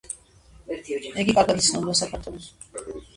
იგი კარგად იცნობდა საქართველოს.